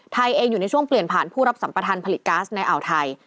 ไทยเองอยู่ในช่วงเปลี่ยนผ่านผู้รับสัมปทานผลิตก๊าซในอ่าวไทย